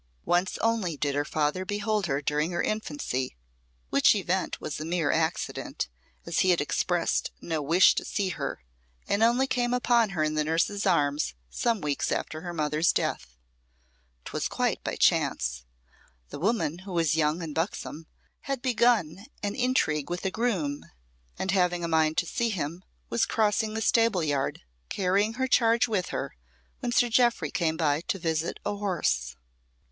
Once only did her father behold her during her infancy, which event was a mere accident, as he had expressed no wish to see her, and only came upon her in the nurse's arms some weeks after her mother's death. 'Twas quite by chance. The woman, who was young and buxom, had begun an intrigue with a groom, and having a mind to see him, was crossing the stable yard, carrying her charge with her, when Sir Jeoffry came by to visit a horse.